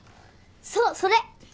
そうそれ！